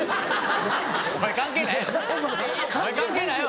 お前関係ないやろ。